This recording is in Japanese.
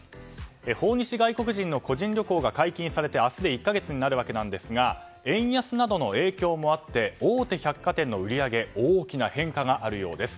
訪日外国人の個人旅行が解禁されて明日で１か月になるわけですが円安などの影響もあって大手百貨店の売り上げに大きな変化があるようです。